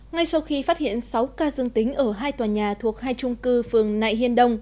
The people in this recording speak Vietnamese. ngay sau khi phát hiện sáu ca dương tính ở hai tòa nhà thuộc hai trung cư phường nại hiên đông